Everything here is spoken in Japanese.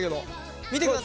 見てください。